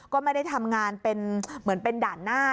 ก็ไม่ได้ทำงานเป็นเหมือนเป็นด่านหน้า